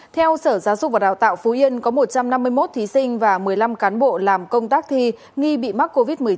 theo sở giáo dục và đào tạo phú yên có một trăm năm mươi một thí sinh và một mươi năm cán bộ làm công tác thi nghi bị mắc covid một mươi chín